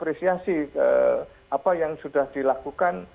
oke soal hal segurit ya kan